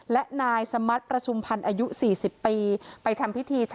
และนายสมัสประชุมพรรณอายุ๔๐ปี